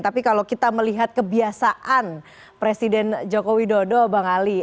tapi kalau kita melihat kebiasaan presiden joko widodo bang ali